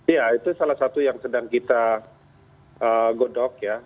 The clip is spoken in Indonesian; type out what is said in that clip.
iya itu salah satu yang sedang kita godong ya